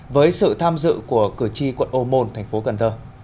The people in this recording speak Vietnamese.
với sự tham dự của cử tri quận âu môn tp cần thơ